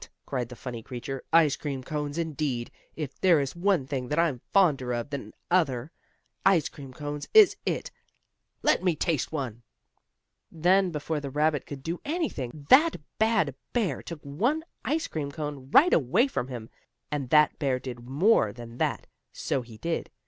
cried the furry creature. "Ice cream cones, indeed! If there is one thing that I'm fonder of than another, ice cream cones is it! Let me taste one!" Then before the rabbit could do anything, that bad bear took one ice cream cone right away from him. And that bear did more than that, so he did.